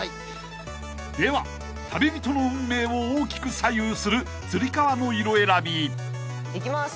［では旅人の運命を大きく左右するつり革の色選び］いきます。